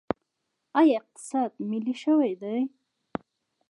آیا اقتصاد ملي شوی دی؟